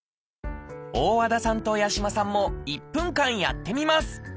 大和田さんと八嶋さんも１分間やってみます